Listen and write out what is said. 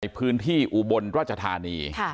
พื้นที่อุบลราชธานี